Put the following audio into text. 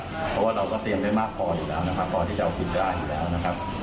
เพราะว่าเราก็เตรียมได้มากพออยู่แล้วนะครับพอที่จะเอาผิดได้อยู่แล้วนะครับ